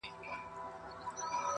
او علم خو نو سراسر فایده ده